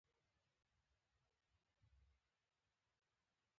زه انګلېسي زده کول خوښوم.